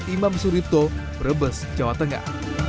imam suripto brebes jawa tengah